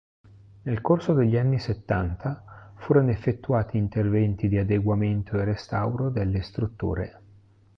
Nel corso degli anni settanta furono effettuati interventi di adeguamento e restauro delle strutture.